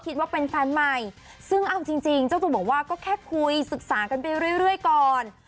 คิดว่าเป็นแฟนใหม่ซึ่งเอาจริงเจ้าตัวบอกว่าก็แค่คุยศึกษากันไปเรื่อยก่อน